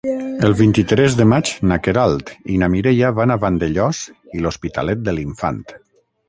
El vint-i-tres de maig na Queralt i na Mireia van a Vandellòs i l'Hospitalet de l'Infant.